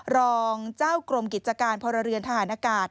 รองเจ้ากรมกิจการพลเรือนทหารอากาศ